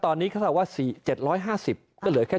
ตอนนี้เขาเท่าว่า๗๕๐ก็เหลือแค่